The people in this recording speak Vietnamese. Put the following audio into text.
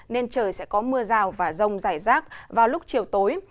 nên trời sẽ có mưa rào và rông rải rác vào lúc chiều tối